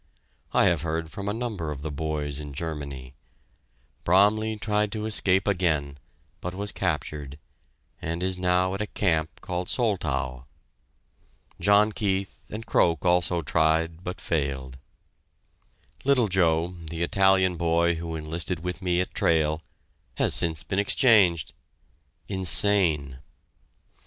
I have heard from a number of the boys in Germany. Bromley tried to escape again, but was captured, and is now at a camp called Soltau. John Keith and Croak also tried, but failed. Little Joe, the Italian boy who enlisted with me at Trail, has been since exchanged insane!